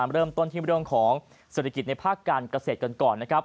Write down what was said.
เริ่มต้นที่บริเวณของเศรษฐกิจในภาคการเกษตรก่อน